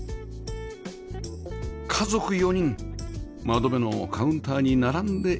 家族４人窓辺のカウンターに並んで頂きます